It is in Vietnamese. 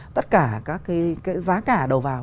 tất cả các cái giá cả đầu vào